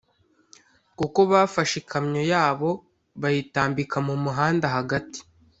kuko bafashe ikamyo yabo bayitambika mu muhanda hagati”